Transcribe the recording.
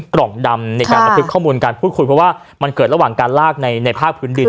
กล่องดำในการบันทึกข้อมูลการพูดคุยเพราะว่ามันเกิดระหว่างการลากในภาคพื้นดิน